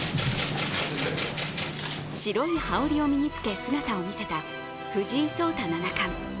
白い羽織を身につけ姿を見せた藤井聡太七冠。